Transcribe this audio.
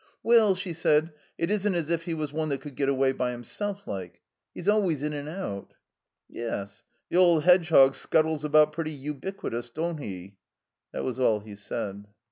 "Well," she said, "it isn't as if He was one that could get away by Himself, like. He's always in and out." 55 THE COMBINED MAZE "Yes. The old Hedgehog scuttles about pretty ubiquitous, don't he?" That was all he said.